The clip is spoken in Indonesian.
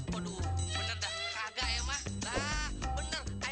galak galak banget ya mininya